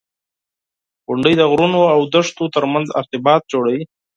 • غونډۍ د غرونو او دښتو ترمنځ ارتباط جوړوي.